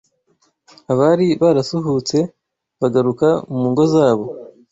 abari barasuhutse bagaruka mu ngo zabo